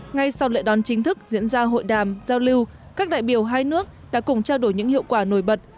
ngay sau lễ đón chính thức diễn ra hội đàm giao lưu các đại biểu hai nước đã cùng trao đổi những hiệu quả nổi bật